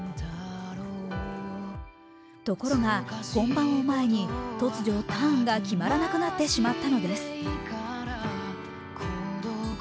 ところが本番を前に突如、ターンが決まらなくなってしまったのです。